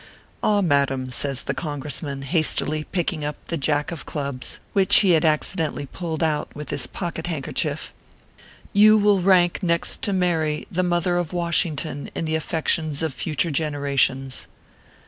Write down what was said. Ah, madam," says the Congressman, hastily picking up the Jack of 13 290 ORPHEUS C. KERR PAPERS. Clubs, which ho had accidentally pulled out with his pocket handkerchief, " you will rank next to Mary, the mother of Washington, in the affections of future generations."